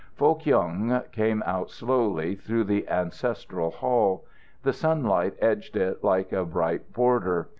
Foh Kyung came out slowly through the ancestral hall. The sunlight edged it like a bright border.